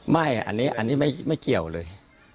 ไม่อันนี้ไม่เกี่ยวเลย